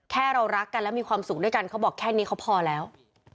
แค่เรารักกันแล้วมีความสุขด้วยกันเขาบอกแค่นี้เขาพอแล้ว